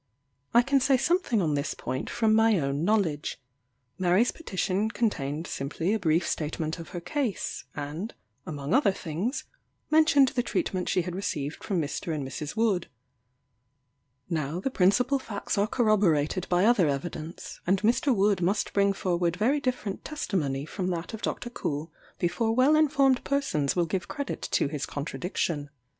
I can say something on this point from my own knowledge. Mary's petition contained simply a brief statement of her case, and, among other things, mentioned the treatment she had received from Mr. and Mrs. Wood. Now the principal facts are corroborated by other evidence, and Mr. Wood must bring forward very different testimony from that of Dr. Coull before well informed persons will give credit to his contradiction.